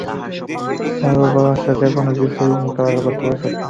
তার উপর আসা যেকোনো কিছু সে মোকাবিলা করতে প্রস্তুত।